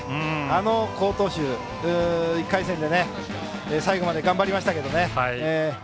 あの好投手、１回戦で最後までよく頑張りました。